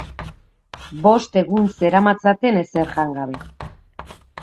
Bost egun zeramatzaten ezer jan gabe.